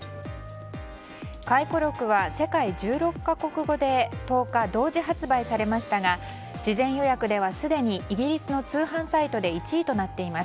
回顧録は世界１６か国語で１０日、同時発売されましたが事前予約ではすでにイギリスの通販サイトで１位となっています。